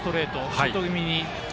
シュート気味に。